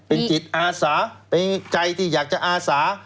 เป็นจิตอาสาเป็นใจที่อยากจะอาสา